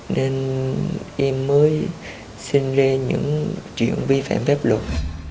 nên em mới xin lê những chuyện vi phạm phép luật